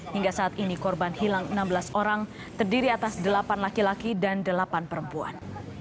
hingga saat ini korban hilang enam belas orang terdiri atas delapan laki laki dan delapan perempuan